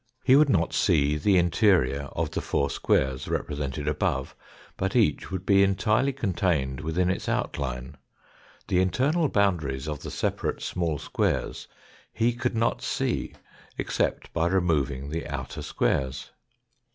He would not see the interior of the four squares represented above, but each would be entirely contained within its outline, the internal boundaries of the separate small squares he could not see except by removing the outer squares.